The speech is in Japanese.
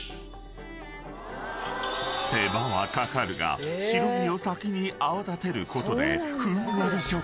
［手間はかかるが白身を先に泡立てることで］